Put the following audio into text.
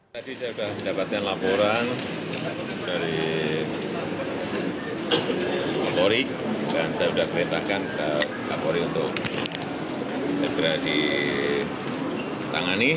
tadi saya sudah mendapatkan laporan dari kapolri dan saya sudah perintahkan ke kapolri untuk segera ditangani